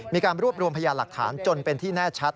มีการรวบรวมพยานหลักฐานจนเป็นที่แน่ชัด